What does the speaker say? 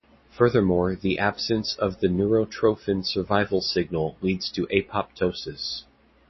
Furthermore, the absence of the neurotrophin survival signal leads to apoptosis.